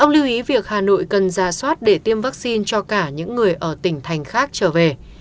lưu ý việc hà nội cần ra soát để tiêm vaccine cho cả những người ở tỉnh thành khác trở về